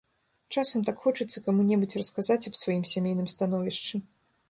Часам так хочацца каму-небудзь расказаць аб сваім сямейным становішчы.